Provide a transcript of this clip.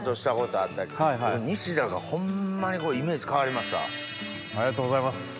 ありがとうございます。